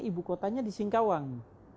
ibu kotanya di singkawang